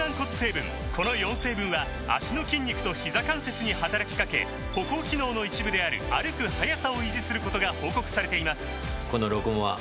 この４成分は脚の筋肉とひざ関節に働きかけ歩行機能の一部である歩く速さを維持することが報告されています